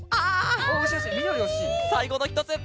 さいごのひとつ！